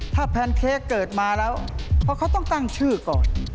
ถ้าแพนเค้กเกิดมาแล้วเพราะเขาต้องตั้งชื่อก่อน